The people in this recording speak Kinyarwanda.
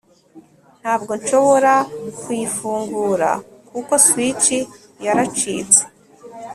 ntabwo nshobora kuyifungura, kuko switch yaracitse.